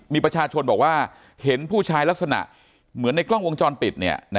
มีประชาชนบอกว่าเห็นผู้ชายลักษณะเหมือนในกล้องวงจรปิด